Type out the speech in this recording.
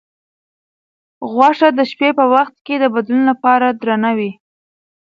غوښه د شپې په وخت کې د بدن لپاره درنه وي.